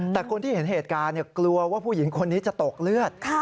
แต่คนที่เห็นเหตุการณ์กลัวว่าผู้หญิงคนนี้จะตกเลือด